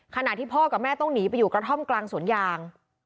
ขณะที่พ่อกับแม่ต้องหนีไปอยู่กระท่อมกลางสวนยาง